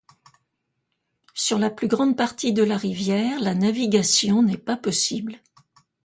Sur la plus grande partie de la rivière, la navigation n'est pas possible.